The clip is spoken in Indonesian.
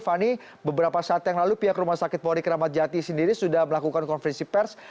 fani beberapa saat yang lalu pihak rumah sakit polri keramat jati sendiri sudah melakukan konferensi pers